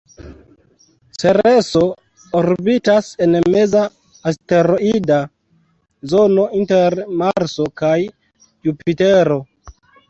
Cereso orbitas en meza asteroida zono, inter Marso kaj Jupitero.